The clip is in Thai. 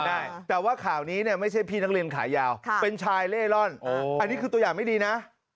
ใช่แต่ว่าข่าวนี้เนี่ยไม่ใช่พี่นักเรียนขายาวเป็นชายเล่ร่อนอันนี้คือตัวอย่างไม่ดีนะ